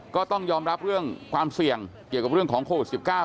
ก็ต้องยอมรับเรื่องความเสี่ยงเกี่ยวกับเรื่องของโควิด๑๙